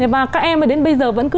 và các em mà đến bây giờ vẫn cứ